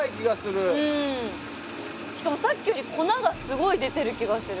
しかもさっきより粉がすごい出てる気がする。